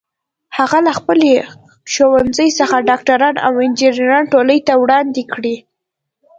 هغه له خپل ښوونځي څخه ډاکټران او انجینران ټولنې ته وړاندې کړي